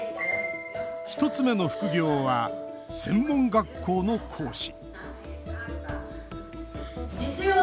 １つ目の副業は専門学校の講師